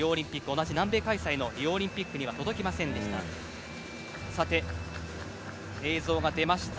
同じ南米開催のリオオリンピックには届きませんでした。